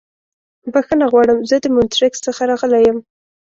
بښنه غواړم. زه د مونټریکس څخه راغلی یم.